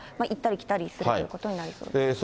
いったりきたりするということになりそうです。